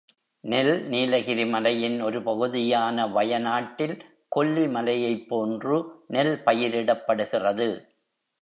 நெல் நீலகிரி மலையின் ஒரு பகுதியான வயனாட்டில் கொல்லி மலையைப் போன்று நெல் பயிரிடப்படுகிறது.